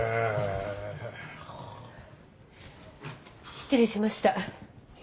失礼しました。